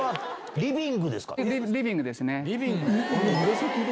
リビングですね。